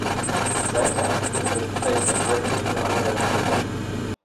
Seit der Einführung des Chase hat Greg Biffle alle Rennen gewonnen.